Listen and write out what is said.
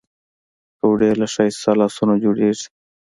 پکورې له ښایسته لاسونو جوړېږي